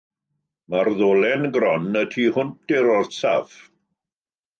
Mae'r ddolen gron y tu hwnt i'r orsaf.